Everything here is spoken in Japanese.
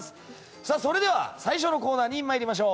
それでは、最初のコーナーに参りましょう。